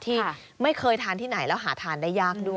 ที่ไม่เคยทานที่ไหนแล้วหาทานได้ยากด้วย